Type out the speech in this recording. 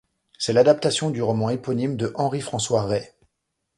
C'est l'adaptation du roman éponyme de Henri-François Rey.